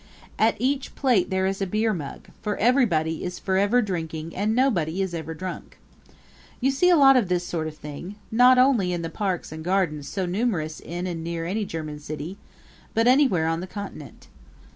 At each plate there is a beer mug, for everybody is forever drinking and nobody is ever drunk. You see a lot of this sort of thing, not only in the parks and gardens so numerous in and near any German city but anywhere on the Continent.